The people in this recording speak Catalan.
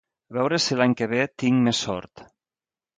A veure si l'any que ve tinc més sort!